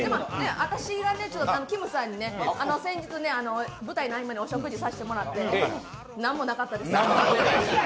私がきむさんに先日、舞台の合間にお食事させてもらって、何もなかったです。